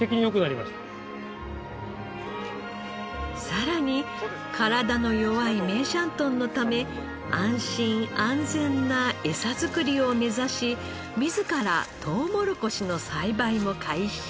さらに体の弱い梅山豚のため安心安全なエサ作りを目指し自らトウモロコシの栽培も開始。